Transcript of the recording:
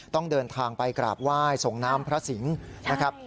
ต้องเดินทางไปกราบไหว้ส่งน้ำพระสิงศ์นะครับ